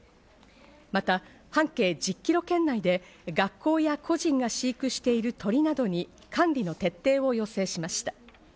また半径１０キロ圏内で、学校や個人が飼育している鳥などに、管理の徹底を要請しました。